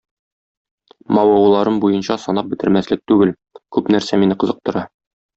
Мавыгуларым буенча санап бетермәслек түгел, күп нәрсә мине кызыктыра.